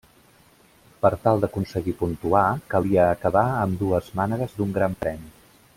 Per tal d'aconseguir puntuar, calia acabar ambdues mànegues d'un Gran Premi.